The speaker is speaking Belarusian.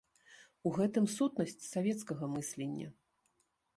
У гэтым сутнасць савецкага мыслення!